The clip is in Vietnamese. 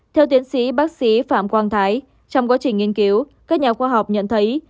theo tiến sĩ bác sĩ phạm quang thái trong quá trình nghiên cứu các nhà khoa học nhận thấy